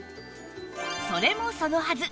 それもそのはず！